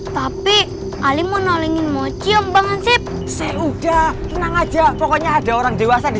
tapi ali mau nolengin mochi bang hansip saya udah tenang aja pokoknya ada orang dewasa di